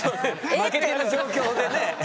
負けた状況でね。